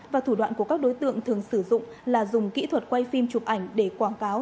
và thủ đoạn của các đối tượng thường sử dụng là dùng kỹ thuật quay phim chụp ảnh để quảng cáo